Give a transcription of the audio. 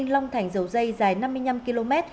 long thành dầu dây dài năm mươi năm km